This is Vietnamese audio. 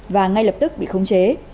và ngay lập tức bị khống chế